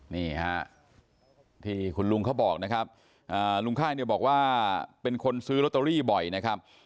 นี่ฮะที่คุณลุงเขาบอกนะครับลุงค่ายเนี่ยบอกว่าเป็นคนซื้อลอตเตอรี่บ่อยนะครับ